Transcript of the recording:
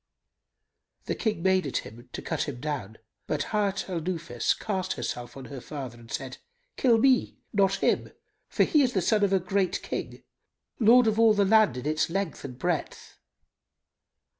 The King made at him, to cut him down, but Hayat al Nufus cast herself on her father and said, "Kill me not him; for he is the son of a great King, lord of all the land in its length and breadth."